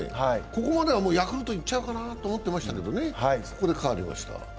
ここまではもうヤクルトいっちゃうかなと思ってましたけど、ここで変わりました。